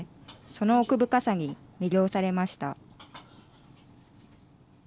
その奥深さに魅了されました。